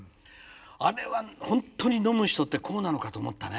あれは本当に飲む人ってこうなのかと思ったね。